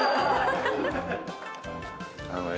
あのね。